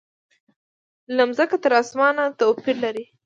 له مځکې تر اسمانه توپیر لري.